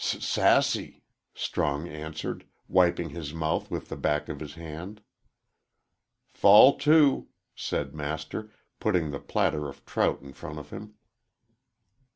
"S sassy," Strong answered, wiping his mouth with the back of his hand. "Fall to," said Master, putting the platter of trout in front of him.